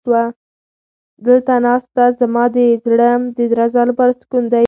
دلته ناسته زما د زړه د درزا لپاره سکون دی.